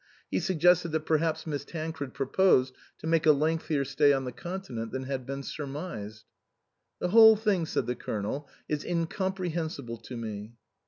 He suggested that per haps Miss Tancred proposed to make a lengthier stay on the Continent than had been surmised. " The whole thing," said the Colonel, " is in comprehensible to me."